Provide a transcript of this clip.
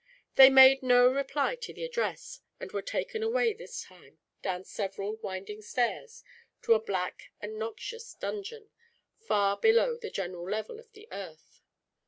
They made no reply to the address, and were taken away, this time, down several winding stairs to a black and noxious dungeon, far below the general level of the earth.